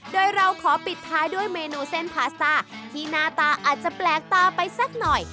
โดยเราขอปิดท้ายด้วยเมนูเส้นพาสต้าที่หน้าตาอาจจะแปลกตาไปสักหน่อย